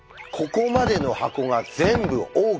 「ここまでの箱が全部ＯＫ！